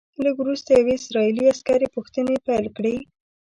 لږ وروسته یوې اسرائیلي عسکرې پوښتنې پیل کړې.